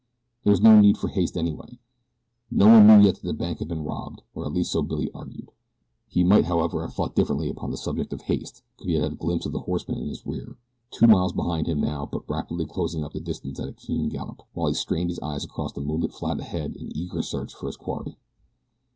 There was no need for haste anyhow. No one knew yet that the bank had been robbed, or at least so Billy argued. He might, however, have thought differently upon the subject of haste could he have had a glimpse of the horseman in his rear two miles behind him, now, but rapidly closing up the distance at a keen gallop, while he strained his eyes across the moonlit flat ahead in eager search for his quarry.